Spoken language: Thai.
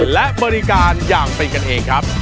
และบริการอย่างเป็นกันเองครับ